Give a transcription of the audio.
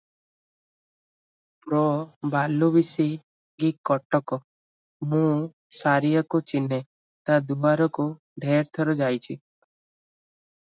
ପ୍ର ବାଲୁବିଶି ଗି କଟକ - ମୁଁ ସାରିଆକୁ ଚିହ୍ନେ, ତା ଦୁଆରକୁ ଢେର ଥର ଯାଇଛି ।